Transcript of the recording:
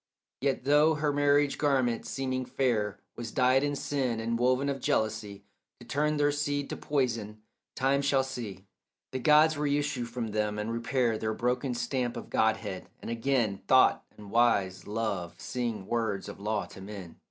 Yet though her marriage garment, seeming fair, Was dyed in sin and woven of jealousy To turn their seed to poison, time shall see The gods reissue from them, and repair Their broken stamp of godhead, and again Thought and wise love sing words of law to men.